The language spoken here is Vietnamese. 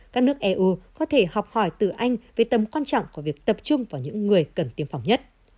các nước eu có thể học hỏi từ anh về tầm quan trọng của việc tập trung vào những người cần tiêm phòng nhất